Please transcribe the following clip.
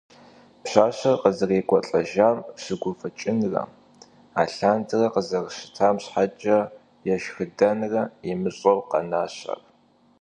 Пщащэр къызэрекӀуэлӀэжам щыгуфӀыкӀынрэ алъандэрэ къызэрытам щхьэкӀэ ешхыдэнрэ имыщӀэу, къэнащ ар.